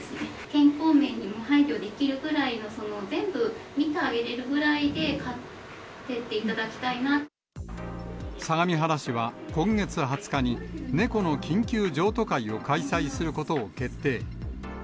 健康面にも配慮できるぐらいの全部見てあげれるぐらいで飼ってい相模原市は今月２０日に、猫の緊急譲渡会を開催することを決定。